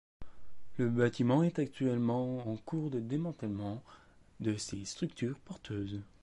Le bâtiment est actuellement en cours de démantèlement de ses structures porteuses.